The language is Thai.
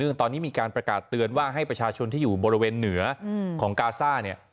ซึ่งตอนนี้มีการประกาศเตือนว่าให้ประชาชนที่อยู่บริเวณเหนือของกาซ่าเนี่ย